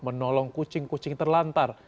menolong kucing kucing terlantar